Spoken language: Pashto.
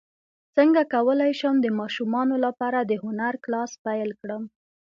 څنګه کولی شم د ماشومانو لپاره د هنر کلاس پیل کړم